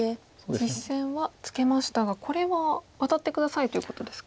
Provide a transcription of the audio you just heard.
実戦はツケましたがこれはワタって下さいということですか？